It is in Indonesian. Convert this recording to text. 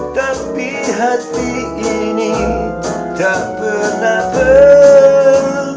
tapi hati ini tak pernah bel